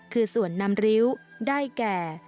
คือส่วนนำริ้วได้แก่